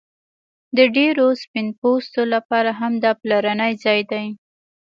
د ډیرو سپین پوستو لپاره هم دا پلرنی ځای دی